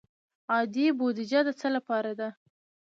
عادي بودجه د څه لپاره ده؟